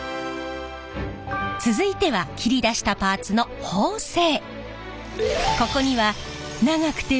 続いては切り出したパーツの縫製。